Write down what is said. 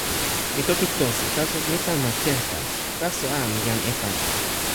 mi toki Tosi. taso, mi tan ma Senka. taso a, mi jan Epanja.